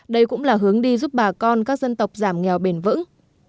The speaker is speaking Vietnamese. đây cũng là hướng đi giúp bà con các dân tộc giảm nghèo bền vững